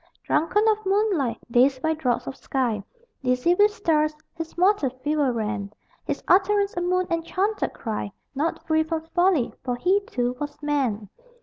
Drunken of moonlight, dazed by draughts of sky, Dizzy with stars, his mortal fever ran: His utterance a moon enchanted cry Not free from folly for he too was man.